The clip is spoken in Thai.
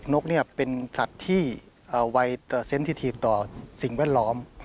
นกเป็นสัตว์ที่ไวต่อสิ่งแวดล้อม